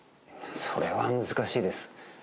それは難しいです。